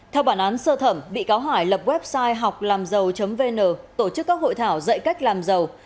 theo bản án sơ thẩm bị cáo hải lập website họclamgiàu vn tổ chức các hội thảo dạy cách làm giàu